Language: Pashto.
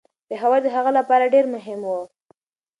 پېښور د هغه لپاره ډیر مهم و.